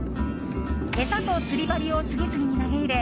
餌と釣り針を次々に投げ入れ